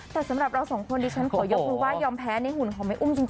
แต่สำหรับเราสองคนดิฉันขอยกมือว่ายอมแพ้ในหุ่นของแม่อุ้มจริง